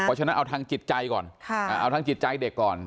เพราะฉะนั้นเอาทางจิตใจก่อน